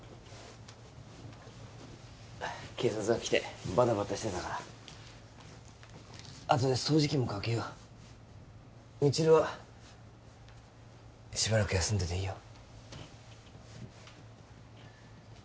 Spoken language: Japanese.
警察が来てバタバタしてたからあとで掃除機もかけよう未知留はしばらく休んでていいよ